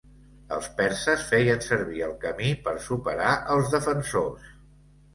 Els perses feien servir el camí per superar els defensors.